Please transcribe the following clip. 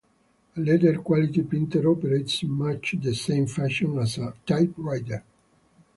A letter-quality printer operates in much the same fashion as a typewriter.